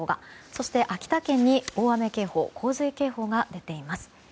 そして秋田県に大雨警報、洪水警報が出ています。